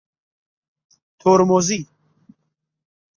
ترمزی